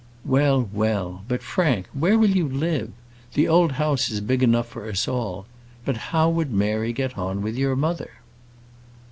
"Well, well! But, Frank, where will you live? The old house is big enough for us all. But how would Mary get on with your mother?"